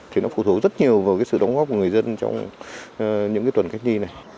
thì nó phụ thuộc rất nhiều vào sự đóng góp của người dân trong những tuần cách nhi này